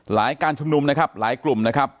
การชุมนุมนะครับหลายกลุ่มนะครับ